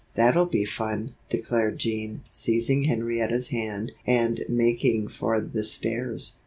"That'll be fun," declared Jean, seizing Henrietta's hand and making for the stairs.